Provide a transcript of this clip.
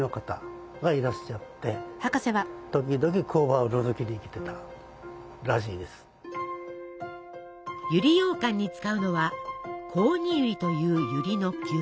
百合ようかんに使うのは「コオニユリ」というゆりの球根。